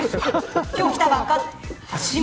今日来たばっか。